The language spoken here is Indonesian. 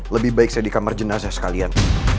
lebih baik saya di kamar jenazah sekalian